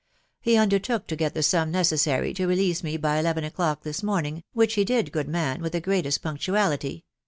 He undertook to get the sum necessary to release me by eleven o'clock this morning, which he did, good man, with the greatest punctuality..